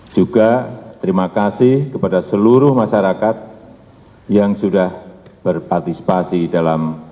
juga terima kasih kepada seluruh masyarakat yang sudah berpartisipasi dalam